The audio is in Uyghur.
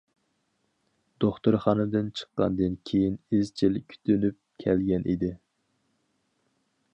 دوختۇرخانىدىن چىققاندىن كېيىن ئىزچىل كۈتۈنۈپ كەلگەن ئىدى.